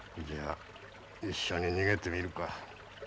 じゃあ一緒に逃げてみるか？